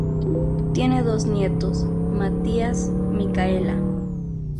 Tiene dos nietos, Mathías, Micaela.